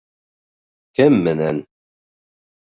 Кем менән?